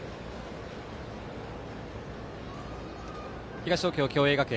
東東京・共栄学園